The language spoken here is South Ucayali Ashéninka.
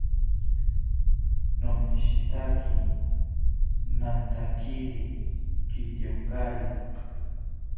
Nomishitaki nantakiri kityonkari